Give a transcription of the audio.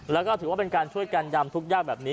แล้วก็ถือว่าเป็นการช่วยกันยำทุกยากแบบนี้